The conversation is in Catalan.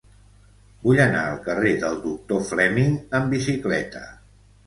Vull anar al carrer del Doctor Fleming amb bicicleta.